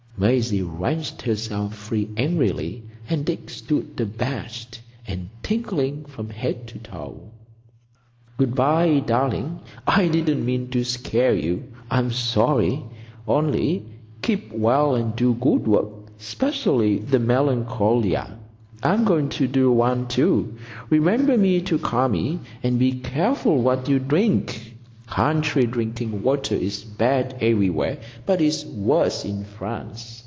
Maisie wrenched herself free angrily, and Dick stood abashed and tingling from head to toe. "Good bye, darling. I didn't mean to scare you. I'm sorry. Only—keep well and do good work,—specially the Melancolia. I'm going to do one, too. Remember me to Kami, and be careful what you drink. Country drinking water is bad everywhere, but it's worse in France.